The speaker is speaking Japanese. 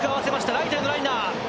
ライトへのライナー。